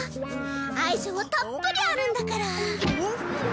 愛情はたっぷりあるんだから。